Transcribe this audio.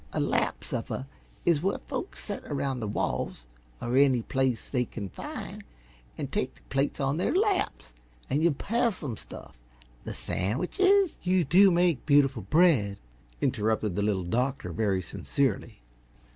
A lap supper is where folks set around the walls or any place they can find and take the plates on their laps and yuh pass 'em stuff. The san'wiches " "You do make such beautiful bread!" interrupted the Little Doctor, very sincerely.